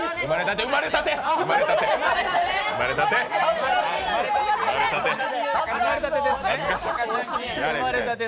生まれたて、生まれたて！